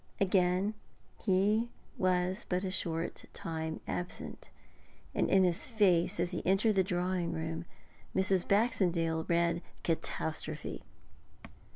Again he was but a short time absent, and in his face, as he entered the drawing room, Mrs. Baxendale read catastrophe.